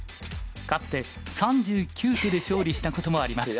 かつて３９手で勝利したこともあります。